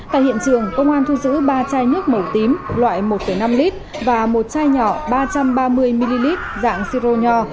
tại hiện trường công an thu giữ ba chai nước màu tím loại một năm lít và một chai nhỏ ba trăm ba mươi ml dạng si rô nhò